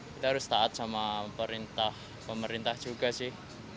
kita harus taat sama pemerintah juga sih